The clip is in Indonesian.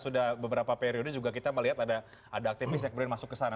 sudah beberapa periode juga kita melihat ada aktivis yang kemudian masuk ke sana